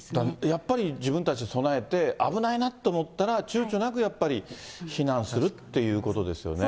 やっぱり自分たちで備えて、危ないなと思ったら、ちゅうちょなくやっぱり避難するっていうこそうですね。